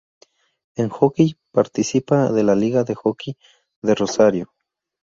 En hockey participa de la liga de hockey de Rosario.